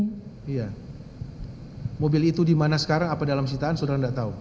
iya mobil itu dimana sekarang apa dalam sitaan saudara tidak tahu